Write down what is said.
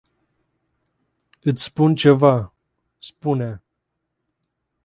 Iti spun ceva. Spune.